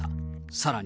さらに。